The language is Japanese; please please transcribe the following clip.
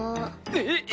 えっ！